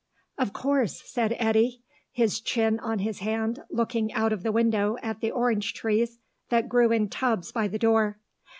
"Of course," said Eddy, his chin on his hand, looking out of the window at the orange trees that grew in tubs by the door.